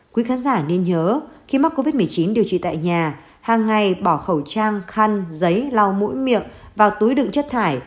quý khán giả nên nhớ khi mắc covid một mươi chín điều trị tại nhà hàng ngày bỏ khẩu trang khăn giấy lau mũi miệng vào túi đựng chất thải